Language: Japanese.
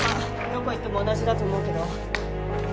どこ行っても同じだと思うけど。